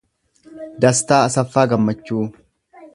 Dastaa Asaffaa Gammachuu